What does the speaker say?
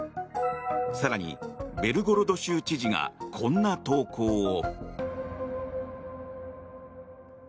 更にベルゴロド州知事がこんな投稿を。